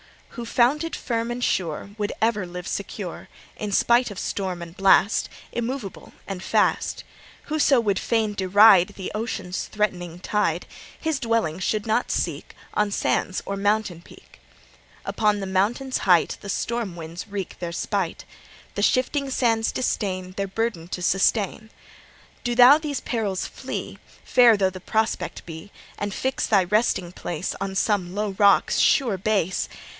Who founded firm and sure Would ever live secure, In spite of storm and blast Immovable and fast; Whoso would fain deride The ocean's threatening tide; His dwelling should not seek On sands or mountain peak. Upon the mountain's height The storm winds wreak their spite: The shifting sands disdain Their burden to sustain. Do thou these perils flee, Fair though the prospect be, And fix thy resting place On some low rock's sure base.